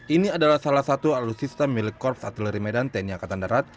ini adalah salah satu alutsista milik korps atileri medan tni angkatan darat